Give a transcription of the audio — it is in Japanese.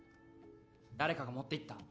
誰かが持っていった？